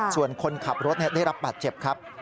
ส่วนคนขับรถได้รับบาดเจ็บครับ